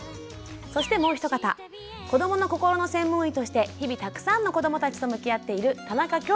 そしてもう一方子どもの心の専門医として日々たくさんの子どもたちと向き合っている田中恭子さんです。